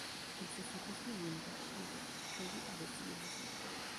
Ils se sont construit un univers chimérique régi par de sibyllins symboles.